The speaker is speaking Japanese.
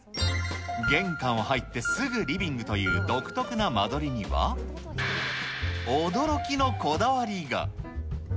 玄関を入ってすぐリビングという独特な間取りには、驚きのこだわりが。